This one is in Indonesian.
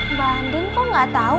mbak andin kok gak tau